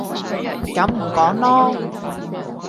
噉唔講囉